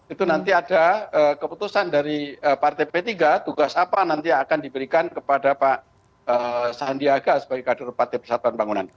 itu nanti ada keputusan dari partai p tiga tugas apa nanti akan diberikan kepada pak sandiaga sebagai kader partai persatuan bangunan